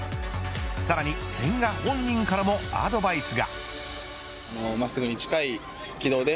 さらに千賀本人からもアドバイスが。